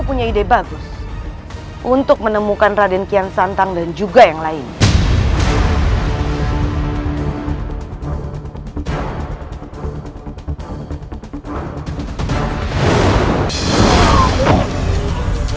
punya ide bagus untuk menemukan raden kian santang dan juga yang lain